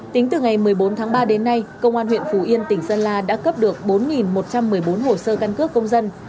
tính từ ngày một mươi bốn tháng ba đến nay công an huyện phù yên tỉnh sơn la đã cấp được bốn một trăm một mươi bốn hồ sơ căn cước công dân